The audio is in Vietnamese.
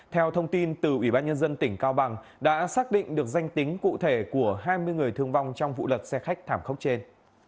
theo thông tin từ ủy ban nhân dân tỉnh cao bằng đã xác định được danh tính cụ thể của hai mươi người thương vong trong vụ lật xe khách thảm khốc trên